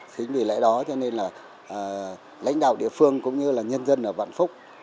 chính vì lẽ đó cho nên là lãnh đạo địa phương cũng như là nhân dân ở vạn phúc